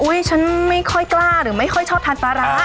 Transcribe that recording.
ว่าอุ๊ยฉันไม่ค่อยกล้าหรือไม่ค่อยชอบทานพะระ